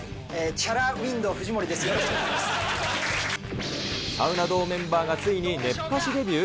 チャラウィンドサウナ道メンバーがついに熱波師デビュー？